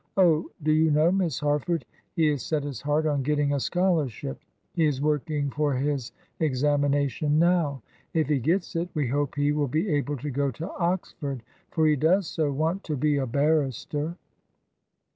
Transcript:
Oh, do you know, Miss Harford, he has set his heart on getting a scholarship; he is working for his examination now. If he gets it, we hope he will be able to go to Oxford, for he does so want to be a barrister."